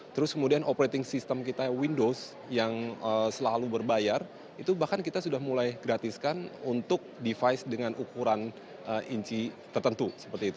terus kemudian operating system kita windows yang selalu berbayar itu bahkan kita sudah mulai gratiskan untuk device dengan ukuran inci tertentu seperti itu